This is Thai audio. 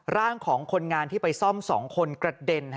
ร่างของคนงานที่ไปซ่อม๒คนกระเด็น